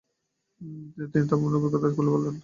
তিনি তার ভ্রমনের অভিজ্ঞতা খুলে বলেন।